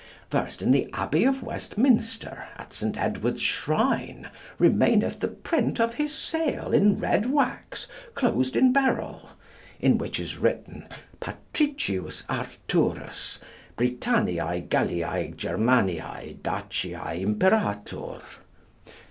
First in the Abbey of Westminster at Saint Edward's shrine remaineth the print of his seal in red wax closed in beryl, in which is written 'Patricius Arthurus, Britanniae Galliae Germaniae Daciae Imperator.'